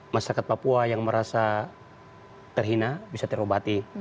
masyarakat papua yang merasa terhina bisa terobati